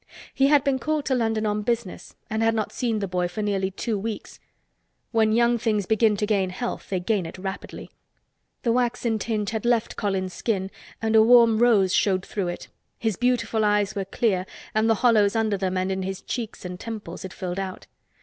He had been called to London on business and had not seen the boy for nearly two weeks. When young things begin to gain health they gain it rapidly. The waxen tinge had left, Colins skin and a warm rose showed through it; his beautiful eyes were clear and the hollows under them and in his cheeks and temples had filled out.